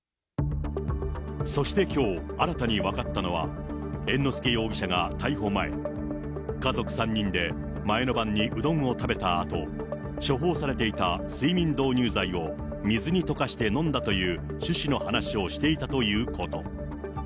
そしてきょう、新たに分かったのは、猿之助容疑者が逮捕前、家族３人で前の晩にうどんを食べたあと、処方されていた睡眠導入剤を水に溶かして飲んだという趣旨の話をしていたということ。